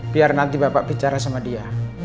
biar nanti bapak bicara sama dia